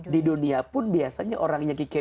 di dunia pun biasanya orang yang kikir